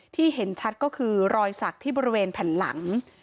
เห็นชัดก็คือรอยสักที่บริเวณแผ่นหลัง